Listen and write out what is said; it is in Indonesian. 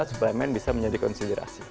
suplemen bisa menjadi konsiderasi